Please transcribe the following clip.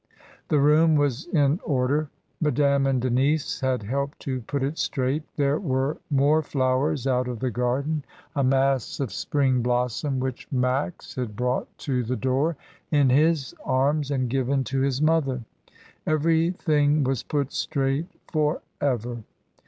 The room was in order. Madame and Denise had helped to put it straight; there were more flowers out of the garden, a mass FUNERALIA. 243 of spring blossom, which Max had brought to the door in his arms and given to his mother. Every thing was put straight for ever.